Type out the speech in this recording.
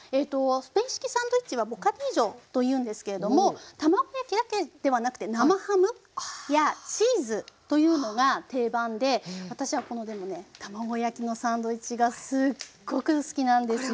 スペイン式サンドイッチはボカディージョというんですけれども卵焼きだけではなくて生ハムやチーズというのが定番で私はこのでもね卵焼きのサンドイッチがすっごく好きなんですよ。